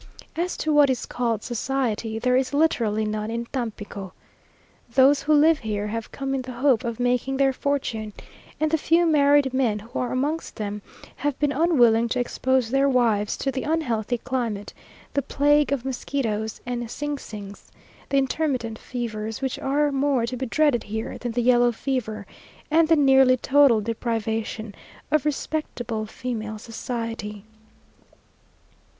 As to what is called society, there is literally none in Tampico. Those who live here, have come in the hope of making their fortune; and the few married men who are amongst them have been unwilling to expose their wives to the unhealthy climate, the plague of mosquitoes and xins xins, the intermittent fevers, which are more to be dreaded here than the yellow fever, and the nearly total deprivation of respectable female society.